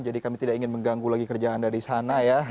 jadi kami tidak ingin mengganggu lagi kerjaan dari sana ya